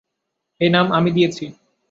এই নাম আমি দিয়েছি।